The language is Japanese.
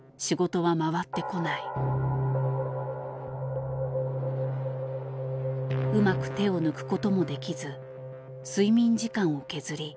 うまく手を抜くこともできず睡眠時間を削り仕上げる日々。